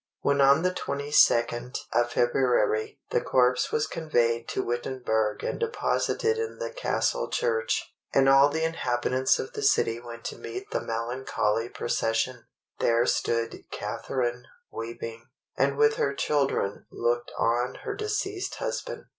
When on the 22d of February the corpse was conveyed to Wittenberg and deposited in the castle church, and all the inhabitants of the city went to meet the melancholy procession, there stood Catharine weeping, and with her children looked on her deceased husband.